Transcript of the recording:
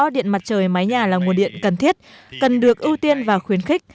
điện mặt trời mái nhà là nguồn điện cần thiết cần được ưu tiên và khuyến khích